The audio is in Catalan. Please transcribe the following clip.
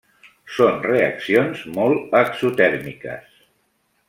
Són reaccions molt exotèrmiques.